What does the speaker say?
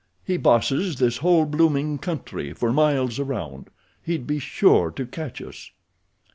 "He bosses this whole blooming country for miles around. He'd be sure to catch us."